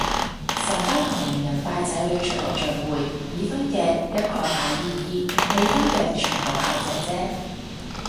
成班同齡人帶仔女出嚟聚會，已婚嘅一概嗌姨姨，未婚嘅全部嗌姐姐